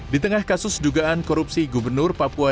di tengah kasus dugaan korupsi gubernur papua